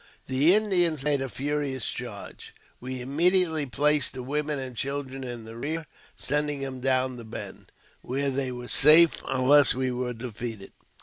The Indians made a furious charge. We immediately placed the women and children in the rear, sending them down the bend, where they were safe unless we were defeated.